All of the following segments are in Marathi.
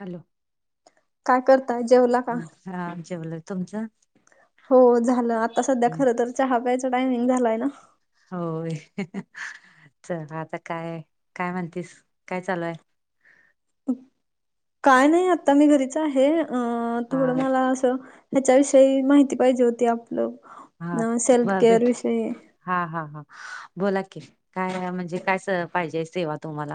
हॅलो काय करताय जेवला का? ह आमचे बोल तुमचं हो झालं आता सध्या हम्म. खर तर चहा प्यायचं टायमिंग झालाय ना होय च आता काय काय म्हणतीस काय चालूय. काय नाही आता मी घरीच आहे अ थोडं हा मला असं ह्याच्याविषयी माहिती पाहिजे होती हा आपलं सेल्फ भाभी केअर विषयी हा हा हा बोला की काय म्हणजे काय पाहिजे सेवा तुम्हाला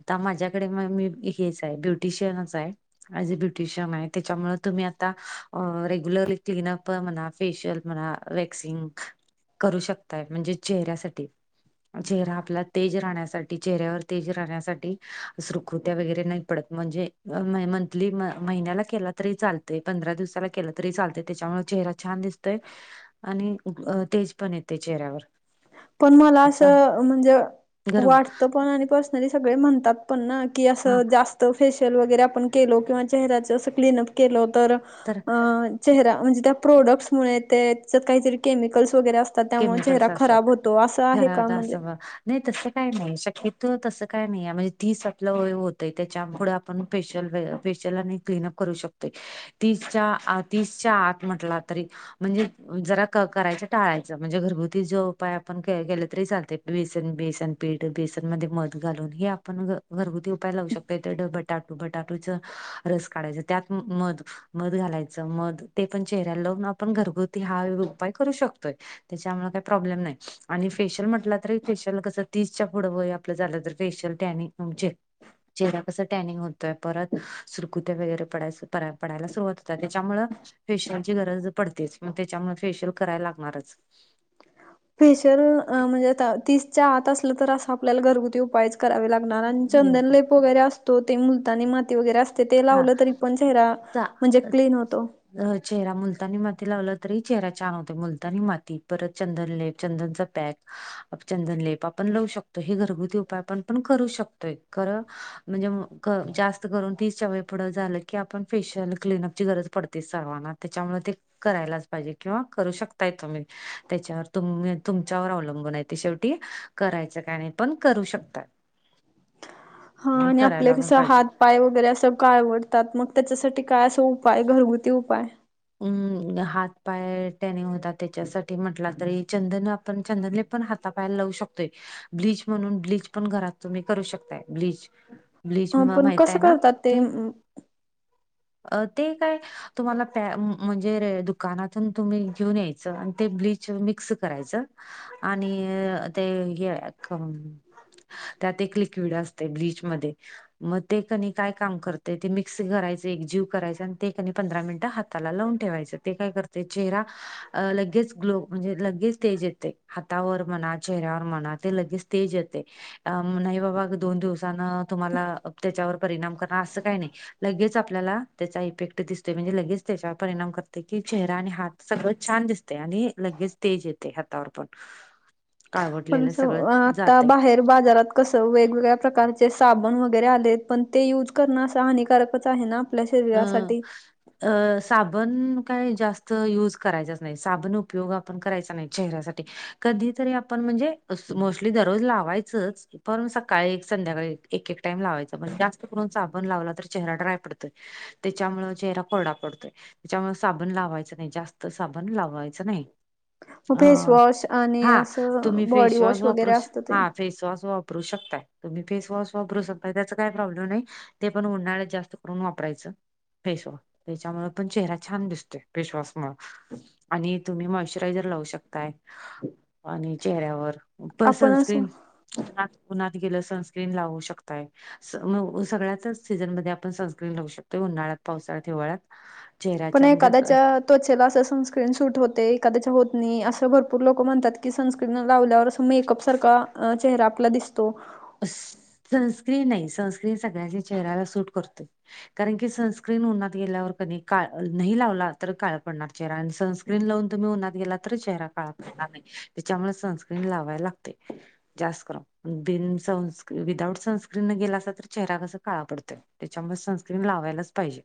आता माझ्याकडे मग मी हेच आहे ब्युटिशियनच आहे. ज अ ब्युटिशियन आहे त्याच्यामुळे तुम्ही आता रेग्युलरली क्लनअप म्हणा फेशियल ुमला वॅक्सिंग करू शकताय म्हणजे चेहऱ्यासाठीठी चेहरा आपला तेज राहण्यासाठी चेहऱ्यावर तेज राहण्यासाठी सुरखुत्या वगैरे नाही. म्हणजे मंथली महिन्याला केला तरी चालत पंधरा दिवसा केला तरी चालते त्याच्यामुळे चेहरा छान दिसतोय आणि तेज पण येते चेहऱ्यावर पण मला त्याच्या असं म्हणजे घरगु वाटतं पण आणि पर्सनली सगळे म्हणतात पण ना की हा असं जास्त फेशियल वगैरे आपण केलो किंवा चेहऱ्याचं असं क्लिनअप केलं तर तर अ चेहरा म्हणजे त्या प्रोडक्ट्स मु ते त्यात काहीतरी केमिकल्स वगैरे असतात त्यामुळे चेहरा खराब होत. घरा होता असं वा नाही तस काय नाही शक्य तस काय नाही म्हणजे तीस आपलं होतंय त्याच्या पुढं आपण फेशिल फेशिलला आणि क्लीनअप करू शकतो. तीसच्या तीसच्या आत म्हटला तरी म्हणजे जरा क करायच टाळायच. म्हणजे घरगुती जो उपाय आपण केला तरी चालते बेसन बेसन पीठ बेसन मध्ये मध घालून हे पण घरगुती उपाय लावू शकत ते बटाटू बटाटूच रस काढायच त्यात मध मध घालायचं मध ते पण चेहऱ्याला लावून आपण घरगुती हा उपाय करू शकतोय. त्याच्यामुळे काही प्रॉब्लेम नाही आणि फेशियल म्हटलं तरी फेशियल कसं तीसच्या पुढं व आपलं झालं तर फेशियल त्यानी आमचे चेहरा कस टॅनिंग होतोय परत सुरकुत्या वगैरे पय पडायला सुरुवात होत त्याच्यामुळ फेशियल ची गरज पडतेच मग त्याच्यामुळे फेशियल करायला लागणारच फेशियल म्हणजे तीसच्या आत असलं तर असं आपल्याला घरगुती उपायच करावे लागत. लग आणि चंदनलेप वगैरे असतो ते मुलतानी माती वगैरे असत ते हा लावलं तरी पण चेहरा म्हणजे चा क्लीन होतो. चेहरा मुलतानी माती लावला तरी चेहरा छान होते मुलतानी माती परत चंदनले चंदनचा पॅक चंदनलेप आपण लावू शकतो हे घरगुती उपाय आपण पण करू शकतोय. म्हणजे जास्त करून अगदी सवय पुढं झालं की आपण फेशियल क्लिनअपची गरज पडतेच सर्वांना त्याच्यामुळे ते करायलाच पाहिजे किंवा करू शकताय तुम्ही त्याच्यावर तुम् तुमच्यावर अवलंबून आहे ते शेवटी. करायचं काय नाही पण करू शकतात. [inaudible] ह आणि आपलं करायला पण कस पाहिजे हात पाय वगैरे असं काय आवडतात मग त्याच्यासाठी काय तो उपाय घरगुती उपाय हम्म हात पाय टनेंग होता त्याच्यासाठी म्हटला तरी चंदन आपण चंदन पण हात पायला लावू शकतोय ब्लीच म्हणून ब्लीच पण घरात तुम्ही करू शकताय ब्लीच. ब्लीच अ, म पण माहित आहे कसं ना करतात ते अं, अ ते काय तुम्हाला म्हणजे दुकानातून तुम्ही घेऊन यायचं आणि ते ब्लीच मिक्स करायचं आणि ते हे क त्यात एक लिक्विड असते ब्लीच मध्ये मग ते कनी काय काम करते ते मिक्स करायच. एक जीव करायचा आणि तेक नी पंधरा मिनिटं हाताला लावून ठेवायच ते काय करते चेहरा अ लगेच ग्लो म्हणजे लगेच तेज येते हातावर म्हणा चेहऱ्यावर म्हणा ते लगेच तेज येते. अ नाही बाबा दोन दिवसान तुम्हाला त्याच्यावर परिणाम करणार असं काही नाही. लगेच आप आपल्याला त्याचा इफेक्ट दिसतो म्हणजे लगेच त्याच्यावर परिणाम करते कि चेहरा आणि हात सगळंच छान दिसत. आणि लगेच तेज येते हातावर पण [inaudible] पण काळवडलेलं सगळं असं आता जाते. बाहेर बाजारात कसं वेगवेगळ्या प्रकारचे साबण वगैरे आले पण ते युज करणं अस हानिकारकच आहे ना. आपल्या अ शरीरासाठी अ साबण काय जास्त युज करायचच नाही साबण उपयोग पण करायचा नाही चेहऱ्यासाठी कधी तरी आपण म्हणजे मोस्टली दररोज लावायचच पण सकाळी संध्याकाळी एक एक टाइम लावायचा म्हणजे जास्त करून साबण लाव तर चेहरा ड्राय पडतोय. त्याच्यामुळ चेहरा कोरडा पडतोय. त्याच्यामुळे साबण लावायचं नाही जास्त साबण लावायचं नाही. मग अ फेसवॉश आणि हा तुम्ही असं बॉडी फेसवॉश वॉश वगैरे वापरू असतं ते. हा फेसवॉश वापरू शकताय. तुम्ही फेस वॉश वापरू शकता त्याचा काही प्रॉब्लेम नाही ते पण उन्हाळ्यात जास्त करून वापरायचं. फेशवॉश त्याच्यामुळे पण चेहरा छान दिसतो फेशवॉश मुळे आणि तुम्ही मॉइशचरायझर लावू शकताय आणि चेहऱ्यावर प आपण असं सनस्क्रीन ना उन्हात गेलं सनस्क्रीन लावू शकताय. ग सगळ्याच सीझनमध्ये आपण स संनस्क्रीन लावू शकतो उन्हाळत पावसाळा हिवाळ्यात पण चेहऱ्याच्या म्हणजे एखादयाच्या. त्वचेला असं सनस्क्रीन सुट होते एखादयचा होत नाही असं भरपूर लोक म्हणतात की सन लावल्यावर अस मेकअप सारखा चेहरा आपला दिसतो. सनस्क्रीन नाही सनस्क्रीन सगळ्यांचे चेहऱ्याला सूट करतोय. कारण की सनस्क्रीन उन्हात गेल्यावर क नाही लावला तर काळ पडणार. चेहरा आणि सनस्क्रीन लावून तुम्ही उन्हात गेला तर चेहरा काळा पडणार नाही. त्याच्यामुळे सनस्क्रीन लावायला लागते. जास्त करून बिन.. सनस् विदाऊट सनस्क्रीन न गेलासा तर चेहरा कसा काळा पडतोय. त्याच्यामुळे सनस्क्रीन लावायलाच पाहिजे.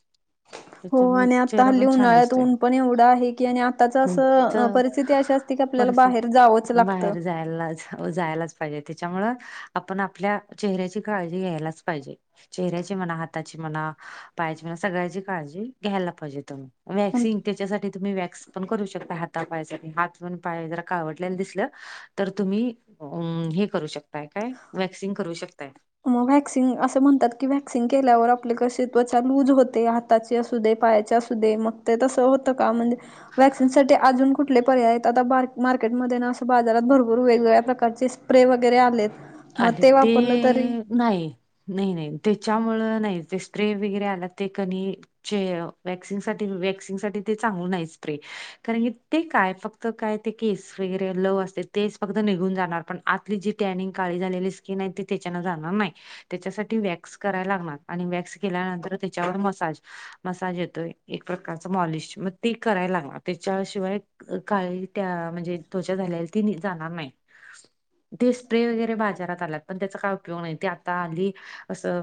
[inaudible] हो त्याच्यामुळे आणि आता चेहरा हल्ली पण छान उन्हाळ्यात दिसतोय. ऊन पण एवढं आहे की आणि आताच असं तर परिस्थिती अशा आपल्याला परिस्थिती बाहेर जावंच लागतं. बाहेर जायला जायलाच पाहिजे त्याच्यामुळे आपण आपल्या चेहऱ्याची काळजी घ्यायलाच पाहिजे चेहऱ्याची म्हणा हाताची म्हणा. पाहिजे म सगळ्यांची काळजी घ्यायला पाहिजे तुम्ही वॅक्सिन त्याच्यासाठी तुम्ही वॅक्स पण करू शकता हाता पायासाठी हात पण पाय जरा काळवडलेला दिसलं. तर तुम्ही अ हे करू शकताय काय वॅक्सिंग करू शकताय. मग व्हॅक्सिंग असं म्हणतात की व्हॅक्सिंग केल्यावर आपले कशी त्वचा लूज होते... हाताचे असू दे पायाचे असू दे मग ते तसं होतं का म्हणजे वॅक्सिनसाठी अजून कुठले पर्याय आहेत आता बार् मार्केटमध्ये ना, असं बाजारात भरपूर वेगवेगळ्या प्रकारचे.. स्प्रे वगैरे आलेत मग ते वापरलं तरी.. नाही नाही नाही त्याच्यामुळं नाही ते स्प्रे वगैरे आणते कनी.. जे वॅक्सिंग साठी वॅक्सिंग साठी ते चांगल नाही. स्प्रे कारण की ते काय फक्त काय ते केस वगैरे लव असते तेच फक्त निघून जाणार पण आतली जी टनिंग.. काळी झालेली स्किन आहे ती त्याच्याने जाणार नाही. त्याच्यासाठी वॅक्स करायला लागणार आणि वॅक्स केल्यानंतर त्याच्यावर मसाज.. मसाज येतोय एक प्रकारच मॉलिश मग ते करायला लागणार त्याच्याशिवाय.. काळी त्या म्हणजे त्वचा झालेली ती जाणार नाही तेच.. स्प्रे वगैरे बाजारात आलात. पण त्याचा काय उपयोग नाही. ते आता हल्ली, असं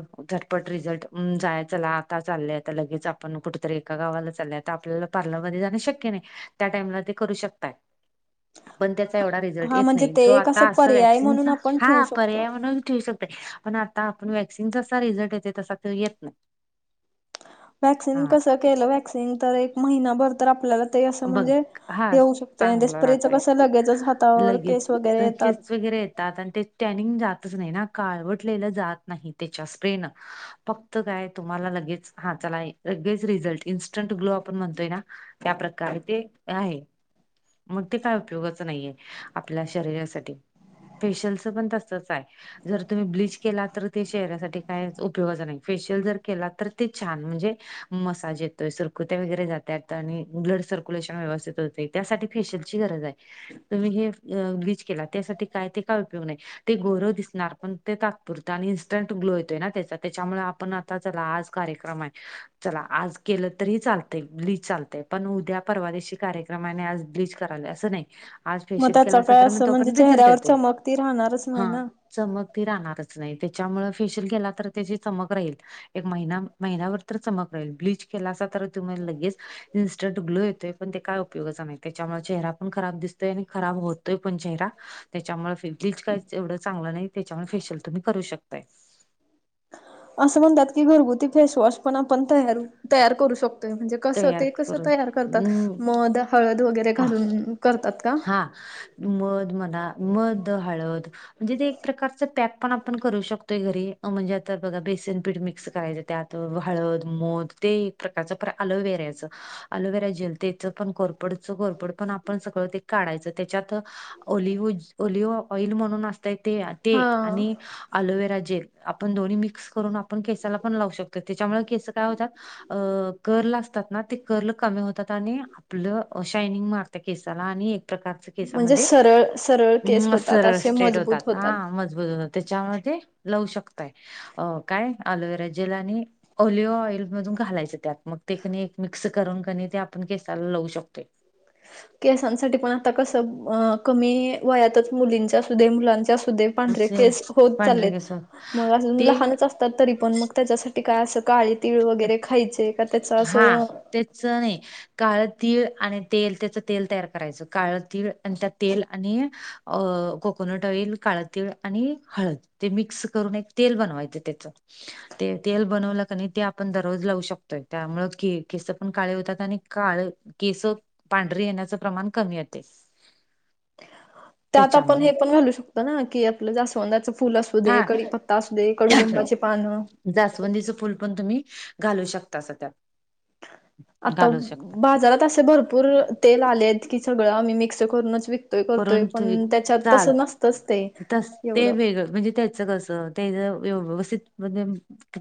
पट रिझल्ट. अं जाया चला. आता चाललंय. आता लगेच आपण कुठेतरी, एका गावाला चालय. ता. आपल्याला पार्लरमध्ये जाण शक्य नाही. त्या टाइमला, ते करू शकताय. [inaudible] पण त्याचा एवढा रिझल्ट हा येत म्हणजे नाही. ते जो एक असं आता अस पर्याय म्हणून वॅक्सिनचा. आपण ठेवू हा, शकतो पर्याय म्हणून ठेऊ शक पण आता आपण वॅक्सिनचा जसा, रिझल्ट येतो. तसा येत नाही. वॅक्सिन हा कसं, केलं वॅक्सिन, तर एक महिनाभर तर आपल्याला ते असं बघ म्हणजे, हा येऊ शकतय. चांगलं स्प्रेचं राहते कसं, लगेचच हातावर केस लगेच वगैरे येतात. केस वगैरे येतात. आणि ते टॅनिंग जातच नाही ना. काळवटलेलं जात नाही. त्याच्या स्प्रेनं. फक्त काय? तुम्हाला लगेच हा चला, लगेच रिझल्ट. इन्स्टंट ग्लो आपण म्हणतोय ना. त्या प्रकारे ते आहे. मग ते काय उपयोगाच नाहीये. आपल्या शरीरासाठी. फेशलचं पण तसचाय. जर तुम्ही ब्लीच केला तर, ते चेहऱ्यासाठी कायच उपयोगाच नाही. फेशियल जर केला तर, ते छान म्हणजे मसाज येतोय. सरकुत्या वगैरे जात्यात. आणि ब्लड सर्क्युलेशन व्यवस्थित होते. त्यासाठी फेशियलची गरजाय. तुम्ही हे ब्लीच केला. त्यासाठी काय, ते काय उपयोग नाही. ते गोरं दिसणार. पण ते तात्पुरतं. आणि इन्स्टंट ग्लो येतोय ना, त्याचा त्याच्यामुळे आपण आ आता, चला आज कार्यक्रमाय चला आज केलं तरी चालतय. ब्लिच चालतेय. पण उद्या परवादिशी कार्य क्रमाने, आज ब्लीच कराले. असं नाही. आज मग फेशियल त्याचा केलासा, काय तर मग असं तो म्हणजे पर्यंत रिझल्ट चेहऱ्यावर येतोय. चमक ती राहणारच नाही हा. ना चमक ती राहणारच नाही. त्याच्यामूळं फेशियल केला तर, त्याची चमक राहील. एक महिना - महिनाभर तर चमक राहील. ब्लीच केला आसाल तर तुम्ही लगेच इन्स्टंट ग्लो येतोय. पण ते काय उपयोगाच नाही. त्याच्यामुळे चेहरा पण खराब दिसतोय. आणि खराब होत तो पण चेहरा. त्याच्यामुळे फे ब्लिच काहीच एवढं, चांगलं नाही. त्याच्यामुळे फेशियल तुम्ही करू शकताय. असं म्हणतात की, घरगुती फेसवॉश पण आपण तयारु - तयार करू शकतो. म्हणजे कसं, तयार ते कसं, तयार करतात? करून मध, हळद वगैरे घालून करतात का? हा. मध मन्हा, मध, हळद म्हणजे ते एक प्रकारच, पॅक पण आपण करू शकतोय, घरी. म्हणजे आता बघा, बेसनपीठ मिक्स करायचं त्यात. हळद, मध ते एक प्रका एलोवेराच. एलोवेरा जेल तेच पण कोरफडचं. कोरफड पण आपण सगळं ते काढायचं त्याच्यात ओलिव्हीज- ओलिवो ऑइल म्हणून असतय, ते. ते हा आणि अलोवेरा जेल. आपण दोन्ही मिक्स करून, आपण केसाला पण लावू शकतो. त्याच्यामुळ केस काय होतात अ कर्ल असतात ना. ते कर्ल कमी होतात. आणि आपलं, अ शायनिंग मारत केसाला. आणि एक प्रकारच म्हणजे केसामध्ये. सरळ सरळ केस अ होतात असे सरळ-स्रेट मजबूत होतात. हा, मजबूत होता. त्याच्यामूळ ते लावू शकताय. अ काय? अलोवेरा जेल आणि ओलिव्ह ऑइल मधून घालायचं त्यात. मग ते कणी मिक्स करून कनी, ते आपण केसाला लावू शकतोय. ह [inaudible] केसांसाठी पण आता कसं. अं, कमी वयातच मुलींच असू दे, मुलांच असू दे पांढरे जसे केस होत पांढरे चाललेत. केस म अजून ते लहानच अस तात. तरी पण मग, त्याच्यासाठी काय? असं काळे तिळ वगैरे खायचे, का? त्याच हा असं तेच नाही काळं तीळ आणि तेल, त्याच तेल तयार करायच. काळ तीळ, आणि त्या तेल आणि अं, कोकोनट ऑइल, काळ तीळ, आणि हळद. ते मिक्स करून, एक तेल बनवायचं त्याचं. ते तेल बनवलं ते आपण दररोज लावू शकतोय. त्यामुळ के - केस पण काळे होत्यात. आणि काळ केसं पांढरी येण्याचं, प्रमाण कमी येतय. त्यात आपण हे पण घालू शकतो ना, की आपलं जास्वंदाचं फु फुल असू हा दे, कडी पत्ता असू दे, कडुलिंबाचे पानं. जास्वंदीचं फुल पण तुम्ही, घालू शकता असं त्यात. आता,, घालू शकता बाजारात असे भरपूरऽ तेल आले आहेत, की सगळं आम्ही मिक्स करूनच विकऽ करून त चाल,, ते त ते एवढं वेगळं,, म्हणजे त्याचं कसंऽ ते व्यवस्थित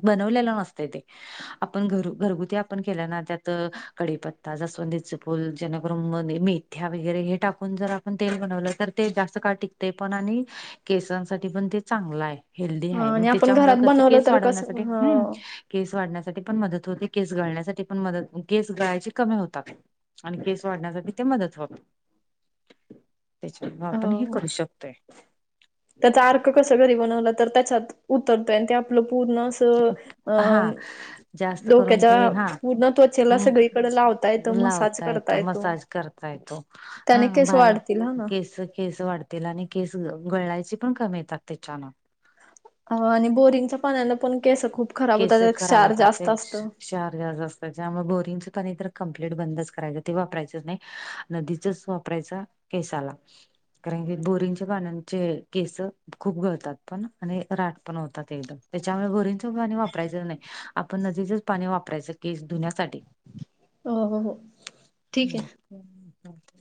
बनवलेलं नसतय ते. आपण घर, घरगुती आपण केल्या ना,, त्यात कडीपत्ता, जास्वंदीच फुल, जेणेकरून मीऽ ह्या, वगैरे हे टाकून जराऽ तेल बनवलं तर ते जास्त काळ टिकतय पण,, आणि केसांसाठी पण ते चांगलं आय. हेल्दी आय,, मग आणि आपण त्याच्यामुळ घरात कसं बनवलं केस तर कसं वाढवण्यासाठी,, हं,, ह केस वाढण्यासाठी पण मदत होते, केस गळण्यासाठी पण मदत, केस गळायची कमी होतात. आणि केस वाढण्यासाठी ते मदत होतय,, त्याच्या, आपण हे हो करू शकतोय. त्याचा अर्क कस, घरी बनवला तर त्याच्यात,, उतरतोय, आणि ते आपलं पूर्णऽ स, अ, हा जास्त करून डोक्याच्या ते हा पूर्ण त्वचेला, सगळीकडे लावतऽ हम्म लावता येत, मसाज करता येतो,, हा, त्याने केस बाहेर, वाढतील ह ना केस केस वाढतऽ तेलाने केस गळायचे पण कमी येतात त्याच्यान. हं,, आणि बोरिंगच्या पाण्यानं पण केसं खूप खराब होत्यात, त्यात क्षार जास्त असतं. क्षार् जास्त असत,, त्यामुळं बोरिंगच पाणी तर कंप्लिट बंदच करायच, ते वापरायचच नाही. नदीचच वापरायचा,, केसाला. कारण की,, बोरिंगच्या पाण्याचे केसं, खूप गळतात पण आणिऽ पण होतात एकदम, त्याच्यामुळे बोरिंग ऽ च पाणी वापरायचं नाही, आपण नदिचच पाणी वापरायचं केस धुण्यासाठी. हो हो, ठीक आहे. हम् ह